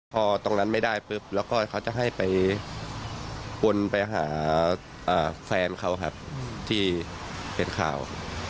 พอตรงนั้นไม่ได้ปุ๊บแล้วก็เขาจะให้ไปวนไปหาแฟนเขาครับที่เป็นข่าว